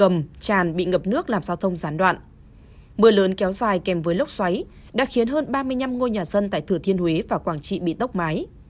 mưa lớn kéo dài kèm với lốc xoáy đã khiến hơn ba mươi năm ngôi nhà dân tại thừa thiên huế và quảng trị bị tốc mái